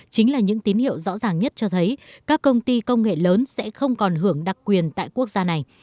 chính là những tín hiệu rõ ràng nhất cho thấy các công ty công nghệ lớn sẽ không còn hưởng đặc quyền tại quốc gia này